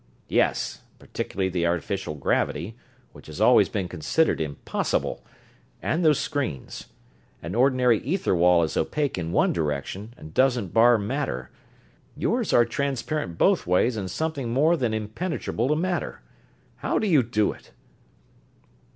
"Yes, particularly the artificial gravity, which has always been considered impossible, and those screens. An ordinary ether wall is opaque in one direction, and doesn't bar matter yours are transparent both ways and something more than impenetrable to matter. How do you do it?"